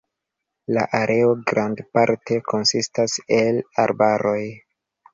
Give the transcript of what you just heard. La areo grandparte konsistas el arbaroj.